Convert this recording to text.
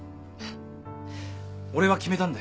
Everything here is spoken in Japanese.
俺は決めたんだよ。